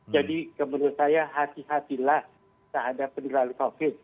jadi menurut saya hati hatilah terhadap penyelamatan covid